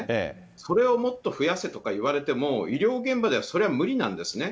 それをもっと増やせとか言われても、医療現場じゃそれは無理なんですね。